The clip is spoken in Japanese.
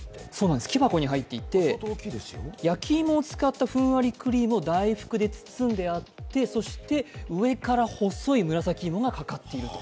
木箱に入っていて、焼き芋で作ったふんわりクリームを大福で包んであって、上から細い紫芋がかかっていると。